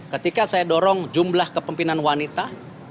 ketika saya dorong jumlah kepemimpinan wanita